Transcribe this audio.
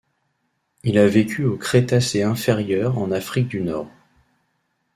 Il a vécu au Crétacé inférieur en Afrique du Nord.